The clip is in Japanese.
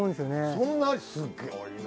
そんなすごいな。